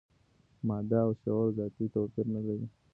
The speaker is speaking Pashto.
ماده او شعور ذاتي توپیر نه لري.